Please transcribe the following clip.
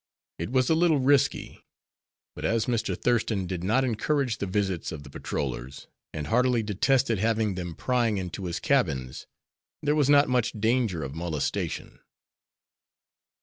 It was a little risky, but as Mr. Thurston did not encourage the visits of the patrollers, and heartily detested having them prying into his cabins, there was not much danger of molestation.